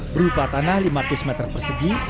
berupa tanah lima ratus meter persegi